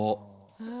へえ。